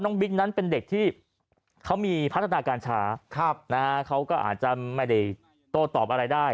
น้องวิกนั้นเป็นเด็กที่เขามีพัฒนาการชาครับเขาก็อาจจะไม่ได้ตอบอะไรได้